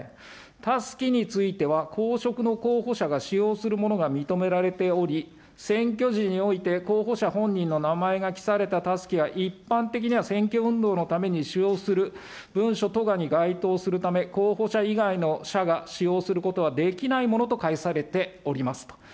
たすきについては、公職の候補者が使用するものが認められており、選挙時において候補者本人の名前が記されたたすきは一般的には選挙運動のために使用する文書図画に該当するため、候補者以外の者が使用することはできないものと解されておりますと。